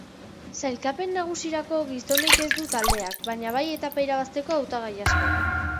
Sailkapen nagusirako gizonik ez du taldeak, baina bai etapak irabazteko hautagai asko.